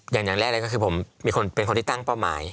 อย่างแรกก็คือผมเป็นคนที่ตั้งประมาณ